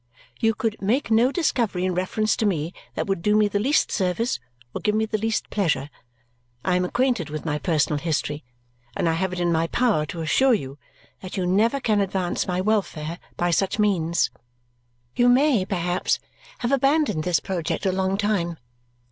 You could make no discovery in reference to me that would do me the least service or give me the least pleasure. I am acquainted with my personal history, and I have it in my power to assure you that you never can advance my welfare by such means. You may, perhaps, have abandoned this project a long time.